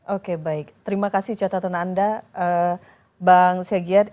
oke baik terima kasih catatan anda bang segiat